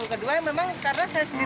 kedua memang karena saya sendiri